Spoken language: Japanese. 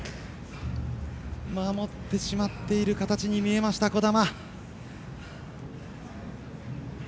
守ってしまっている形に見えました、児玉。